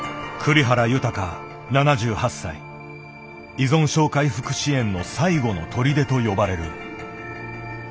依存症回復支援の最後の砦と呼ばれる。